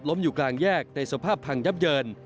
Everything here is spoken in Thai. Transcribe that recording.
อยู่กลางแยกในสภาพพังยับเยิน